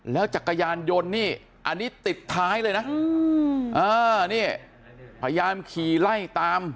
แล้วจักรยานยนต์นี่อันนี้ติดท้ายเลยนะนี่พยายามขี่ไล่ตาม